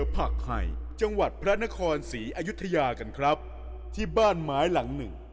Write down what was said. ผักไห่จังหวัดพระนครศรีอยุธยากันครับที่บ้านไม้หลังหนึ่ง